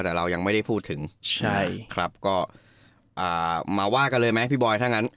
แต่เรายังไม่ได้พูดถึงใช่ครับก็มาว่ากันเลยไหมพี่บอยถ้างั้น